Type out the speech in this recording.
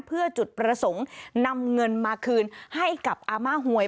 เพื่อจุดประสงค์นำเงินมาคืนให้กับอาม่าหวย